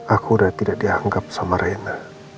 aku udah tidak dianggap sama reina